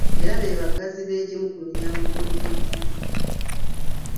Era be baggazi b’egimu ku miryango mu lubiri.